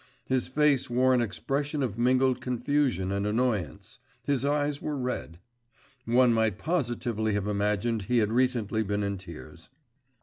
His face wore an expression of mingled confusion and annoyance; his eyes were red.… One might positively have imagined he had recently been in tears.